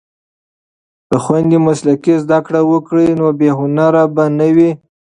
که خویندې مسلکي زده کړې وکړي نو بې هنره به نه وي.